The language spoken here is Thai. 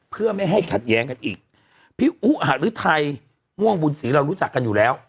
เพื่อไม่ให้ขัดแย้งกันอีกพี่อุหารือไทยม่วงบุญศรีเรารู้จักกันอยู่แล้ว